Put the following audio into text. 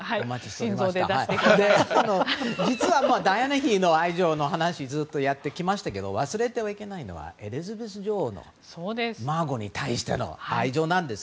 実はダイアナ妃の愛情の話をずっとやってきましたけど忘れてはいけないのはエリザベス女王の孫に対しての愛情です。